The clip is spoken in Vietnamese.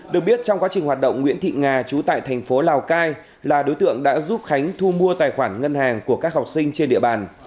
được biết trong quá trình hoạt động nguyễn thị nga chú tại thành phố lào cai là đối tượng đã giúp khánh thu mua tài khoản ngân hàng của các học sinh trên địa bàn